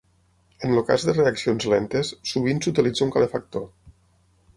En el cas de reaccions lentes, sovint s'utilitza un calefactor.